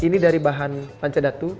ini dari bahan pancadatu